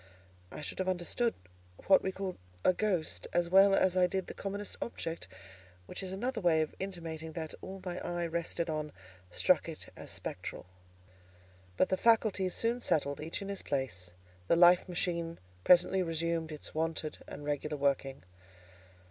I should have understood what we call a ghost, as well as I did the commonest object: which is another way of intimating that all my eye rested on struck it as spectral. But the faculties soon settled each in his place; the life machine presently resumed its wonted and regular working.